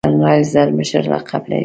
کرنیل زر مشر لقب لري.